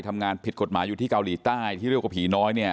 ทำงานผิดกฎหมายอยู่ที่เกาหลีใต้ที่เรียกว่าผีน้อยเนี่ย